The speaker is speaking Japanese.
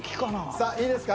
さあいいですか？